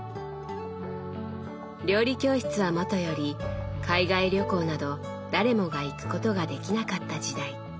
料理教室はもとより海外旅行など誰もが行くことができなかった時代。